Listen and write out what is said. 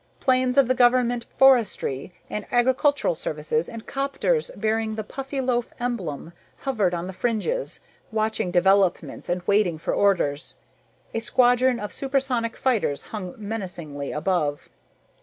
Planes of the government forestry and agricultural services and 'copters bearing the Puffyloaf emblem hovered on the fringes, watching developments and waiting for orders. A squadron of supersonic fighters hung menacingly above.